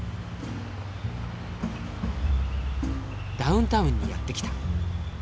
ダウンタウンにやって来た。